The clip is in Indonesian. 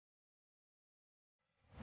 selamat mengalami papa